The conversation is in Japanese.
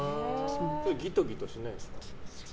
ギトギトしないですか？